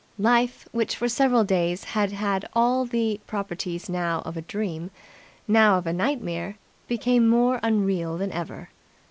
Life, which for several days had had all the properties now of a dream, now of a nightmare, became more unreal than ever.